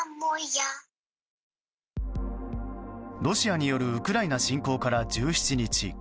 ロシアによるウクライナ侵攻から１７日。